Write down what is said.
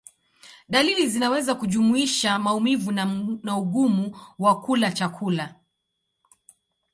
Dalili zinaweza kujumuisha maumivu na ugumu wa kula chakula.